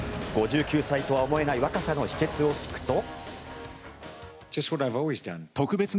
５９歳とは思えない若さの秘けつを聞くと。